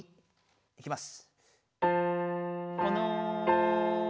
いきます。